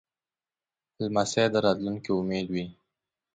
لمسی د راتلونکې امید وي.